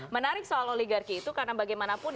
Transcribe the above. menarik soal oligarki itu karena bagaimanapun